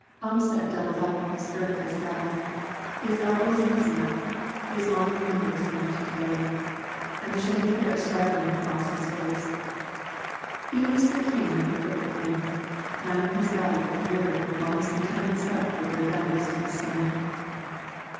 Ump sat doubled up on the skirt of his saddle, his elbows in his lap, his long fingers linked together, and the shaggy hair straggling across his face. He was the king of the crooked men, planning his battle with the river while his lieutenants slept with their bellies to the sun.